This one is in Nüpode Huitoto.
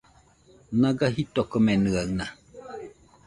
Naga jitokomenɨaɨna